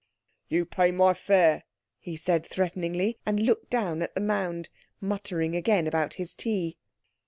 "You pay me my fare," he said threateningly, and looked down at the mound, muttering again about his tea.